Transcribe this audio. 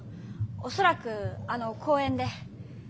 恐らくあの公園で。